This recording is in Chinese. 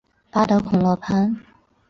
巴德孔勒潘。